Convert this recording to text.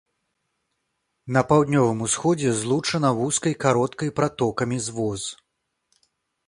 На паўднёвым усходзе злучана вузкай кароткай пратокамі з воз.